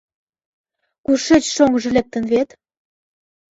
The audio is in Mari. Кушеч шоҥжо лектын вет?